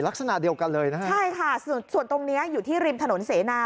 ลักษณะเดียวกันเลยนะฮะใช่ค่ะส่วนตรงเนี้ยอยู่ที่ริมถนนเสนา